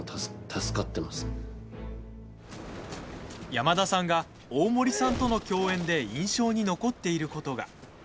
山田さんが、大森さんとの共演で印象に残っていることが。